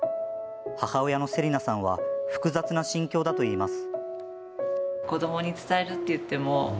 母親のせりなさんは複雑な心境だといいます。